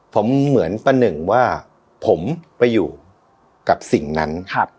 ผมเหมือนประหนึ่งว่าผมไปอยู่กับสิ่งนั้น